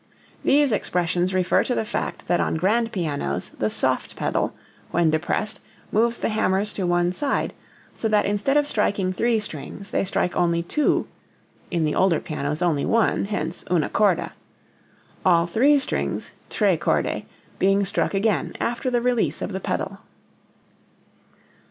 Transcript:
These expressions refer to the fact that on grand pianos the "soft pedal" when depressed moves the hammers to one side so that instead of striking three strings they strike only two (in the older pianos only one, hence una corda), all three strings (tre corde) being struck again after the release of the pedal.